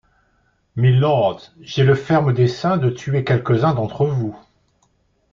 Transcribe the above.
Mylords, j’ai le ferme dessein de tuer quelques-uns d’entre-vous.